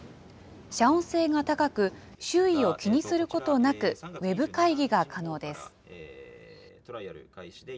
遮音性が高く、周囲を気にすることなく、ウェブ会議が可能です。